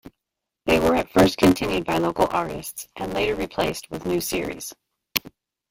They were at first continued by local artists and later replaced with new series.